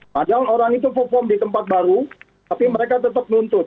padahal orang itu perform di tempat baru tapi mereka tetap nuntut